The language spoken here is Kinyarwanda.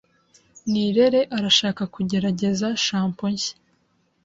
Nirere arashaka kugerageza shampoo nshya.